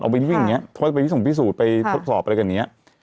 เอาไปวินอย่างนี้เพราะว่าไปวิสังพิสูจน์ไปทดสอบอะไรแบบนี้